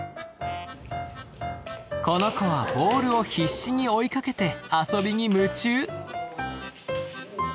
この子はボールを必死に追いかけて遊びに夢中。